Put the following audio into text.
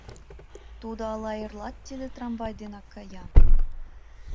Тудо ала эрлат тиде трамвай денак кая?..